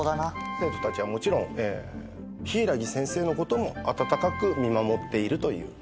生徒たちはもちろん柊木先生のことも温かく見守っているという。